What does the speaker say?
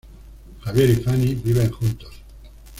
Javier y Fanny viven juntos.